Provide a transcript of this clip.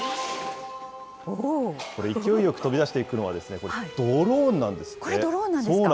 これ、勢いよく飛び出していくのこれ、ドローンなんですか。